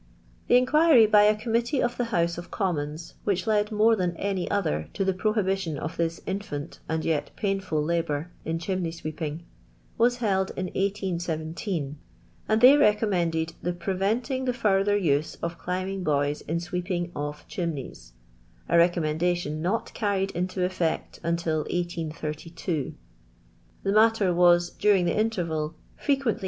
I The inquiry by a Ganmittee ol the House of | Commons, which led m »re than any other to the \ prohibition of this infant and y t paii.ful labour ' in chinini y swi eping, was lulJ in 1>17, and they recommended the •* preventing th further use of I climbing boys in sweeping of chimneys;" a re i couimendatii n not carried into eifi ct until 1832. I The matter was during the interval frequently